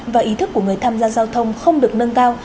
và ý thức của người tham gia giao thông không được nâng cao